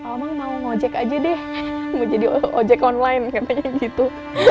omang mau ngojek aja deh mau jadi ojek online katanya gitu